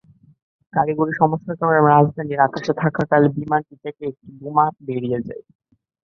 কারিগরি সমস্যার কারণে রাজধানীর আকাশে থাকাকালে বিমানটি থেকে একটি বোমা বেরিয়ে যায়।